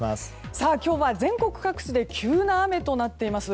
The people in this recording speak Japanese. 今日は全国各地で急な雨となっています。